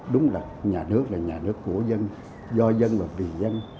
đúng là nhà nước là nhà nước của dân do dân và vì dân